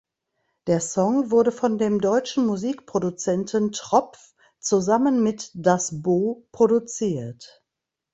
Der Song wurde von dem deutschen Musikproduzenten Tropf zusammen mit Das Bo produziert.